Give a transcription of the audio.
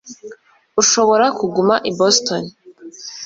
Urashobora kuguma i Boston